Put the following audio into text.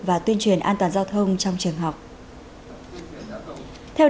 và tuyên truyền an toàn giao thông trong trường học